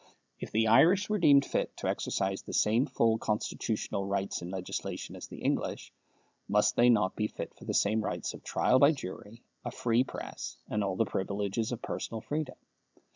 If the Irish were deemed fit to exercise the same full constitutional rights in legislation as the English, must they not be fit for the same rights of trial by jury, a free press, and all the privileges of personal freedom?